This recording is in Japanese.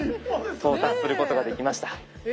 到達することができました。